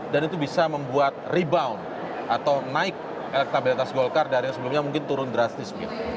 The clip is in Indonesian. dan itu bisa membuat rebound atau naik elektabilitas bolkar dari yang sebelumnya mungkin turun drastis